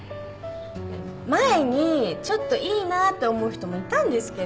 前にちょっといいなって思う人もいたんですけど。